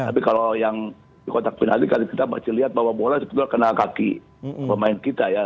tapi kalau yang di kotak penalti kita masih lihat bahwa bola sebetulnya kena kaki pemain kita ya